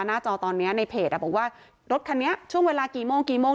จอตอนนี้ในเพจบอกว่ารถคันนี้ช่วงเวลากี่โมงกี่โมง